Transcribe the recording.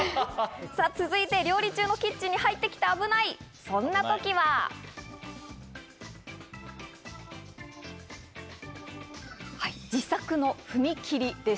続いて料理中のキッチンに入ってきて危ない、そんな時は自作の踏み切りです。